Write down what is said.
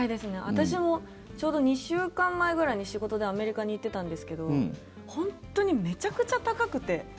私もちょうど２週間前ぐらいに仕事でアメリカに行っていたんですけど本当にめちゃくちゃ高くて。